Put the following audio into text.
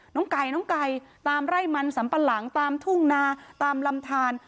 น้องไก่น้องไก่ตามไร่มันสัมปะหลังตามทุ่งนาตามลำทาน